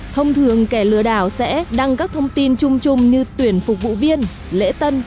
thông thường kẻ lừa đảo sẽ đăng các thông tin chung chung như tuyển phục vụ viên lễ tân